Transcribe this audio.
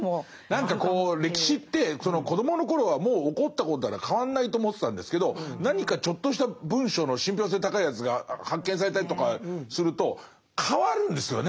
何かこう歴史って子どもの頃はもう起こったことだから変わんないと思ってたんですけど何かちょっとした文書の信憑性高いやつが発見されたりとかすると変わるんですよね。